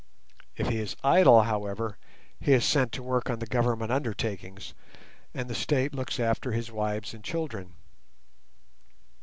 If he is idle, however, he is sent to work on the Government undertakings, and the State looks after his wives and children.